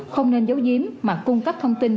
không nên giấu giếm mà cung cấp thông tin